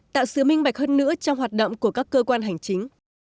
tạo sự minh bạch hơn nữa trong hoạt động của các cơ quan hành chính